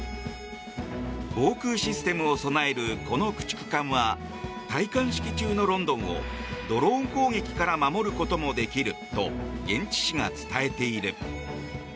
防空システムを備えるこの駆逐艦は戴冠式中のロンドンをドローン攻撃から守ることもできると現地紙が伝えている。